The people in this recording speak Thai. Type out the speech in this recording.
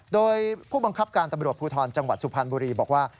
โดยผู้บังคับการตำรวจภูทรจังหวัดสุพรรณบุรีบอกว่า